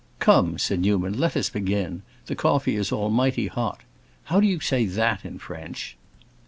"Come," said Newman, "let us begin. The coffee is almighty hot. How do you say that in French?"